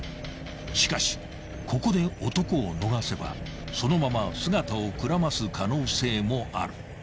［しかしここで男を逃せばそのまま姿をくらます可能性もある］